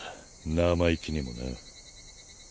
生意気にもな。